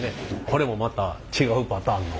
これもまた違うパターンの。